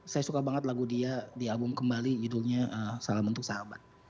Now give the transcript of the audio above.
saya suka banget lagu dia di album kembali judulnya salah bentuk sahabat